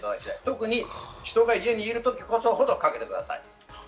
特に人が家にいるときこそ、鍵をかけてください。